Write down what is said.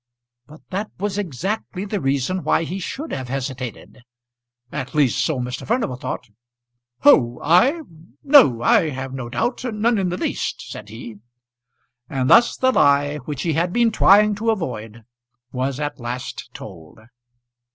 But that was exactly the reason why he should have hesitated! At least so Mr. Furnival thought. "Who; I? No; I have no doubt; none in the least," said he. And thus the lie, which he had been trying to avoid, was at last told.